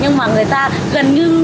nhưng mà người ta gần như